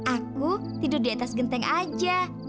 aku tidur di atas genteng aja